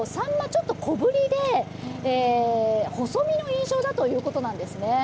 ちょっと小ぶりで細身の印象だということです。